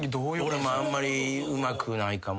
俺もあんまりうまくないかも。